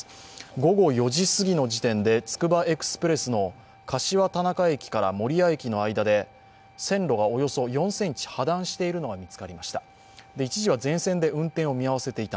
午後４時すぎの時点でつくばエクスプレスの柏たなか駅から守谷駅の間で線路がおよそ４ｃｍ破断しているのが見つかりました。